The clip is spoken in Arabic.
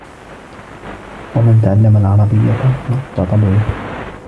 وَمَنْ تَعَلَّمَ الْعَرَبِيَّةَ رَقَّ طَبْعُهُ